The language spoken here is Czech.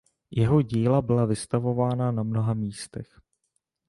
Jeho díla byla vystavována na mnoha místech.